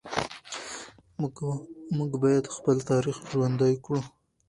موږ باید خپل تاریخ ژوندي کړو.